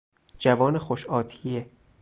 جوان خوش آتیه